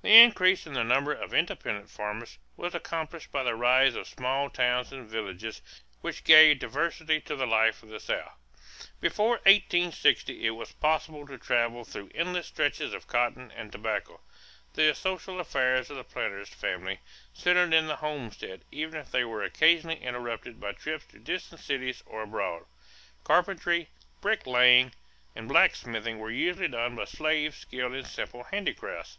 The increase in the number of independent farmers was accompanied by the rise of small towns and villages which gave diversity to the life of the South. Before 1860 it was possible to travel through endless stretches of cotton and tobacco. The social affairs of the planter's family centered in the homestead even if they were occasionally interrupted by trips to distant cities or abroad. Carpentry, bricklaying, and blacksmithing were usually done by slaves skilled in simple handicrafts.